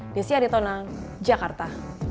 desya aritona jakarta